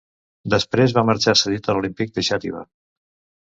Després va marxar cedit a l'Olímpic de Xàtiva.